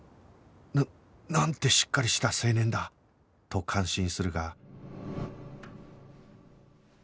ななんてしっかりした青年だ！と感心するが